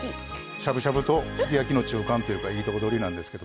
しゃぶしゃぶとすき焼きの中間というかいいとこどりなんですけど。